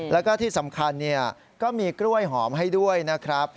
แล้วก็ที่สำคัญก็มีกล้วยหอมให้ด้วยนะครับ